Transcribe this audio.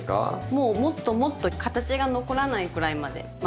もうもっともっと形が残らないくらいまで混ぜて下さい。